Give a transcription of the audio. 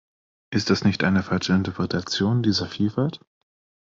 Ist das nicht eine falsche Interpretation dieser Vielfalt?